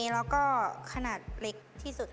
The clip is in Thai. แล้วก็ขนาดเล็กที่สุด